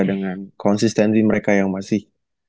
dengan konsistensi mereka yang masih